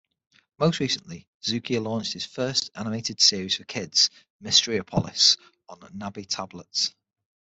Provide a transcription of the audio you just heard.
Most recently, Zuiker launched his first animated series for kids "Mysteryopolis" on nabi tablets.